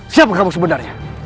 siapa kamu sebenarnya